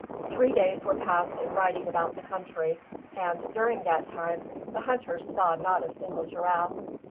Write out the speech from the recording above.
Three days were passed in riding about the country; and, during that time, the hunters saw not a single giraffe.